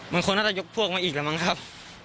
มันคงน่าจะยกพวกมาอีกแล้วมั้งครับ